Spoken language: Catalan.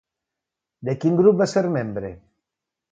De quin grup va ser membre?